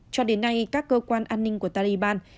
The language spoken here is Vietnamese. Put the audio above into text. cho đến nay các cơ quan an ninh của taliban